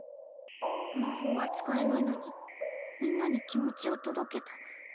魔法が使えないのにみんなに気持ちを届けた。